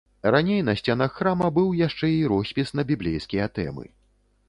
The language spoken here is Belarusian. Раней на сценах храма быў яшчэ і роспіс на біблейскія тэмы.